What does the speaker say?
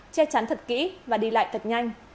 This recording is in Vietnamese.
che chắn thật kỹ và đi lại thật nhanh